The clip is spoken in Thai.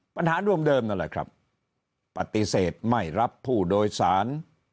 ปัญหาร่วมเดิมนั่นแหละครับปฏิเสธไม่รับผู้โดยสาร